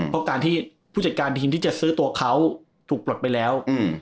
เพราะการที่ผู้จัดการทีมที่จะซื้อตัวเขาถูกปลดไปแล้ว